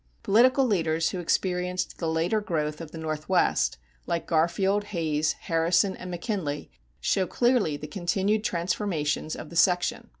Political leaders who experienced the later growth of the Northwest, like Garfield, Hayes, Harrison, and McKinley, show clearly the continued transformations of the section.